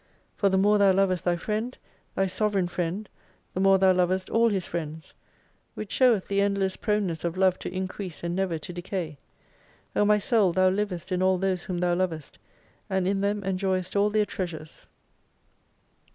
For the more thou lovest thy friend, thy Sovereign Friend, the more thou lovest all His Friends. Which showeth the endless proneness of love to increase and never to decay. O my Soul thou livest in all those whom thou lovest : and in them enjoyest all their treasures.